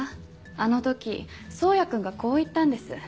あの時宗也君がこう言ったんです。